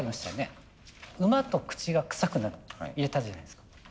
「馬」と「口がくさくなる」と入れたじゃないですか。